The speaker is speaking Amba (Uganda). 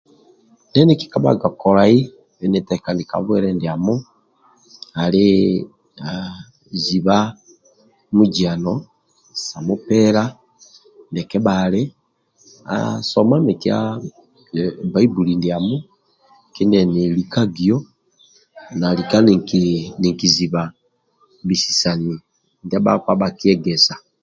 Ndie nikikabhaga kolai ninitekanani ka bwile ndiamo ali ziba muzano sa mupila, ndia kebhali aha Soma mikia bbaibbuli ndiamo nalika ninikiziba bisisani ndia bhakpa bhakyegesa